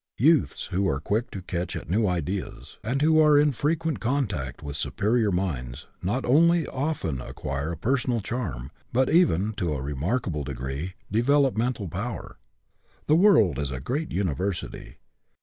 Youths who are quick to catch at new ideas, and who are in frequent contact with superior minds, not only often acquire a personal charm, but even, to a remarkable degree, develop mental power. The world is a great university.